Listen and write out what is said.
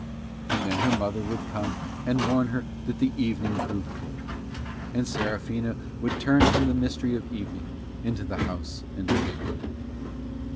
And then her mother would come and warn her that the evening grew cold, and Serafina would turn from the mystery of evening into the house and the candle light.